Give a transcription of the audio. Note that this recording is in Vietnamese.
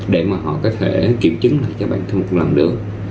để mà họ có thể kiểm chứng lại cho bản thân cũng làm được